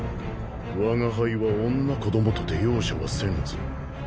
わが輩は女子供とて容赦はせぬぞ。